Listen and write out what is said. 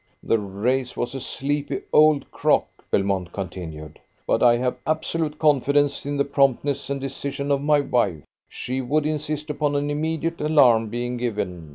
"The reis was a sleepy old crock," Belmont continued, "but I have absolute confidence in the promptness and decision of my wife. She would insist upon an immediate alarm being given.